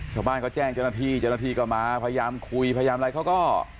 ชาวบ้านก็แจ้งเจ้าหน้าที่เจ้าหน้าที่ก็มาพยายามคุยพยายามอะไรเขาก็